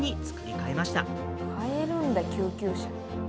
買えるんだ救急車。